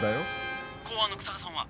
公安の日下さんは？